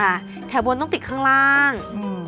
แถวบนต้องติดข้างล่าง